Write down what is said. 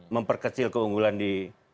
memperkecil keunggulan di